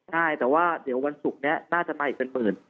ใช่แต่ว่าเดี๋ยววันศุกร์นี้น่าจะมาอีกเป็นหมื่น